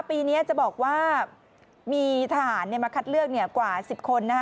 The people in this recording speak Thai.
ปีนี้จะบอกว่ามีทหารมาคัดเลือกกว่า๑๐คน